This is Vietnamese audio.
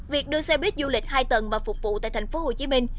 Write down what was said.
việc đưa xe buýt du lịch hai tầng vào phục vụ tại thành phố hồ chí minh